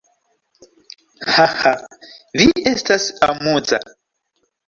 Haha, vi estas amuza.